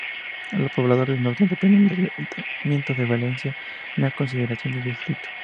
Los Poblados del Norte dependen del ayuntamiento de Valencia en consideración de distrito.